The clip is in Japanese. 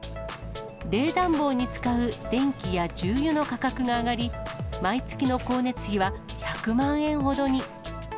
冷暖房に使う電気や重油の価格が上がり、毎月の光熱費は１００万円ほどに。